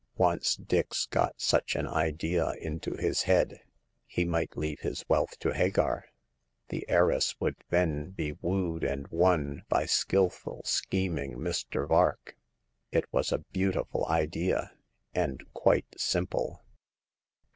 Once Dix got such an idea into his head, he might leave his wealth to Hagar. The heiress would then be wooed and won by skilful, scheming Mr. Vark. It was a beautiful idea, and quite simple.